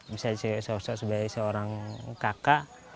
bisa sebagai seorang kakak